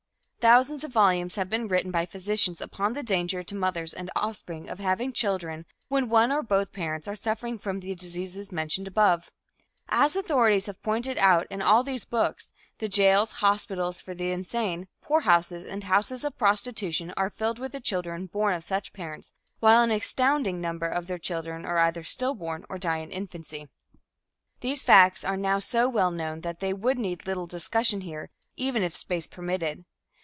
Thousands of volumes have been written by physicians upon the danger to mothers and offspring of having children when one or both parents are suffering from the diseases mentioned above. As authorities have pointed out in all these books, the jails, hospitals for the insane, poorhouses and houses of prostitution are filled with the children born of such parents, while an astounding number of their children are either stillborn or die in infancy. These facts are now so well known that they would need little discussion here, even if space permitted.